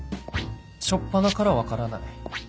初っぱなから分からない